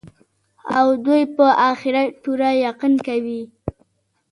او دوى په آخرت پوره يقين كوي